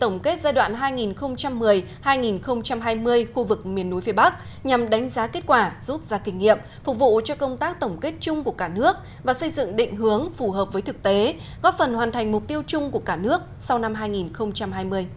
tổng kết giai đoạn hai nghìn một mươi hai nghìn hai mươi khu vực miền núi phía bắc nhằm đánh giá kết quả rút ra kinh nghiệm phục vụ cho công tác tổng kết chung của cả nước và xây dựng định hướng phù hợp với thực tế góp phần hoàn thành mục tiêu chung của cả nước sau năm hai nghìn hai mươi